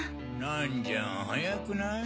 何じゃ早くない？